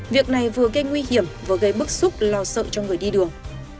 việc này vừa gây nguy hiểm vừa gây bức xúc lo sợ cho người đi đường